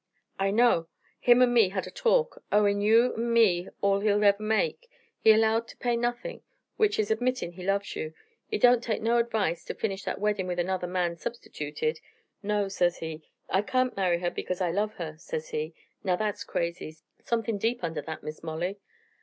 "I know. Him an' me had a talk. Owin' you an' me all he'll ever make, he allowed to pay nothin'! Which is, admittin' he loves you, he don't take no advice, ter finish that weddin' with another man substertuted. No, says he, 'I kain't marry her, because I love her!' says he. Now, that's crazy. Somethin' deep under that, Miss Molly."